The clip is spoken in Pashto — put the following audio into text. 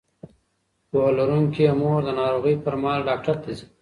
پوهه لرونکې مور د ناروغۍ پر مهال ډاکټر ته ځي.